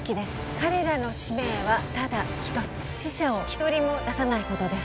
彼らの使命はただ一つ死者を一人も出さないことです